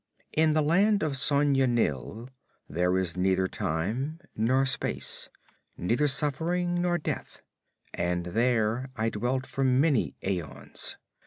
In the Land of Sona Nyl there is neither time nor space, neither suffering nor death; and there I dwelt for many aeons.